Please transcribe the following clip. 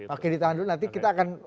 oke ditahan dulu nanti kita akan